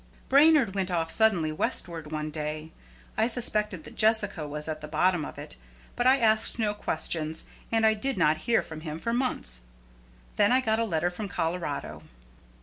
Brainard went off suddenly Westward one day. I suspected that Jessica was at the bottom of it, but I asked no questions; and I did not hear from him for months. Then I got a letter from Colorado.